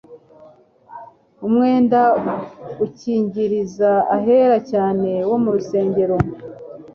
Umwenda ukingiriza ahera cyane wo mu rusengero,